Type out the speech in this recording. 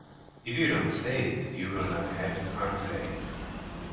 If you don't say it you will not have to unsay it.